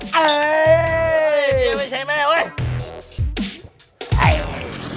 เอ้ยไม่ใช่แม่เว้ย